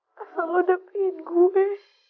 kalau lo dapetin gue